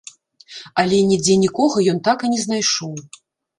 Але нідзе нікога ён так і не знайшоў.